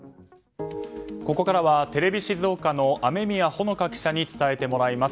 ここからはテレビ静岡の雨宮帆風記者に伝えてもらいます。